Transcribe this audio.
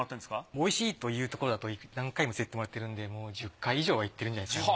おいしいというところだと何回も連れていってもらってるんでもう１０回以上は行ってるんじゃないですかね。